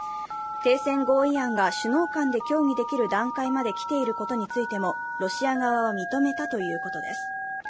停戦合意案が首脳間で協議できる段階まで来ていることについてもロシア側は認めたということです。